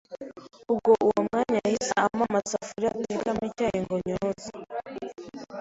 Ubwo uwo mwanya yahise ampa amasafuriya atekamo icyayi ngo nyoze,